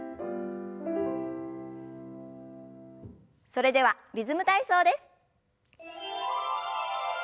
それでは「リズム体操」です。